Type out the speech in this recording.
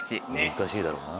難しいだろうな。